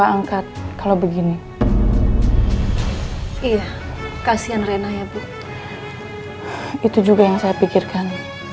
anak anak sudah tidur kan